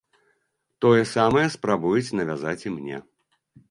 Тое самае спрабуюць навязаць і мне.